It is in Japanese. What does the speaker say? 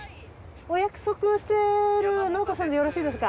お約束をしてる農家さんでよろしいですか？